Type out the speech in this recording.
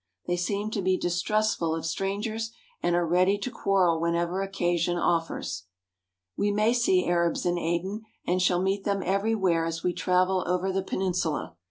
They seem to be distrustful of strangers and are ready to quarrel whenever occasion offers. We may see Arabs in Aden, and shall meet them every where as we travel over the peninsula.